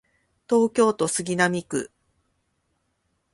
東京都杉並区